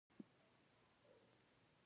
د سرای شهزاده ارزښت څه دی؟